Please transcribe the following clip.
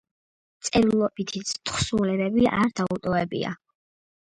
წერილობითი თხზულებები არ დაუტოვებია.